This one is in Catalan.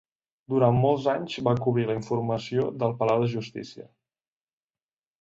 Durant molts anys va cobrir la informació del Palau de Justícia.